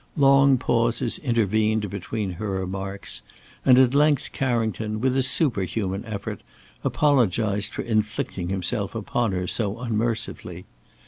Long pauses intervened between her remarks; and at length Carrington, with a superhuman effort, apologized for inflicting himself upon her so unmercifully.